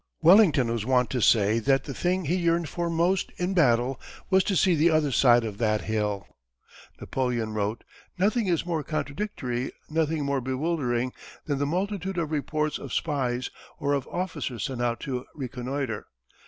Wellington was wont to say that the thing he yearned for most in battle was to "see the other side of that hill." Napoleon wrote: Nothing is more contradictory, nothing more bewildering than the multitude of reports of spies, or of officers sent out to reconnoitre.